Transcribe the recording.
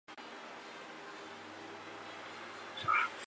研议台北市东侧南北向捷运系统。